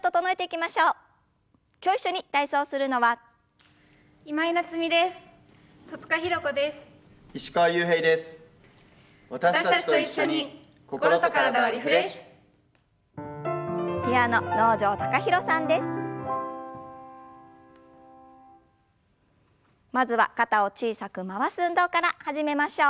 まずは肩を小さく回す運動から始めましょう。